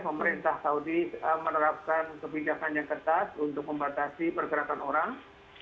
pemerintah saudi menerapkan kebijakannya ketat untuk membatasi pergerakan orang